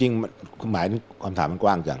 ความหมายคำถามมันกว้างจัง